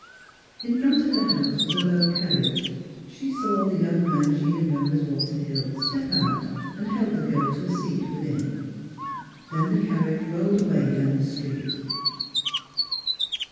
In front of the house was a low carriage. She saw the young man she had known as Wal ter Hill step out and help the girl to a seat within. Then the carriage rolled away down the street.